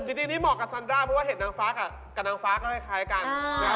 จริงนี่เหมาะกับซันด้าเพราะว่าเห็ดนางฟ้ากับนางฟ้าก็คล้ายกัน